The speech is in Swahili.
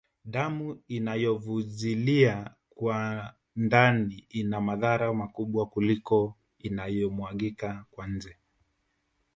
Damu inayovujilia kwa ndani ina madhara makubwa kuliko inayomwagika kwa nje